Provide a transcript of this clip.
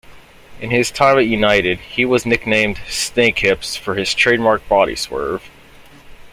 In his time at United, he was nicknamed "Snakehips" for his trademark body swerve.